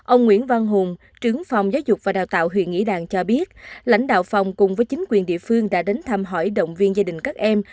ông nguyễn văn hùng trưởng phòng giáo dục và đào tạo huyện nghĩa đàn cho biết lãnh đạo phòng cùng với chính quyền địa phương đã đến thăm hỏi động viên gia đình các em